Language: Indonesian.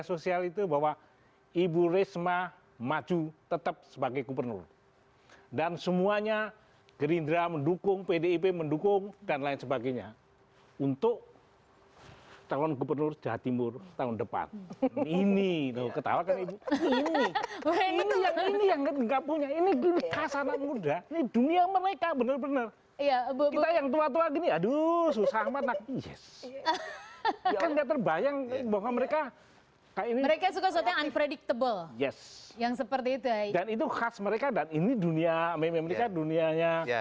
sosial itu bahwa ibu resma maju tetap sebagai kupernur dan semuanya gerindra mendukung pdip mendukung dan lain sebagainya dan semuanya gerindra mendukung pdip mendukung dan lain sebagainya dan semuanya gerindra mendukung pdip mendukung dan lain sebagainya